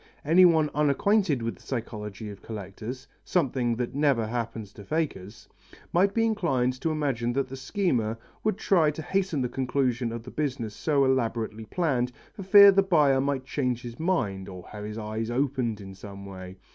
Anyone unacquainted with the psychology of collectors something that never happens to fakers might be inclined to imagine that the schemer would try to hasten the conclusion of the business so elaborately planned, for fear the buyer might change his mind or have his eyes opened in some way.